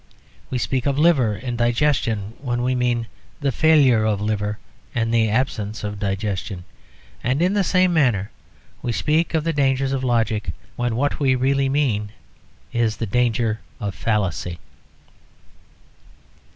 We speak of "liver" and "digestion" when we mean the failure of liver and the absence of digestion. And in the same manner we speak of the dangers of logic, when what we really mean is the danger of fallacy.